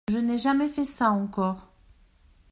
Je n’ai jamais fait ça encore.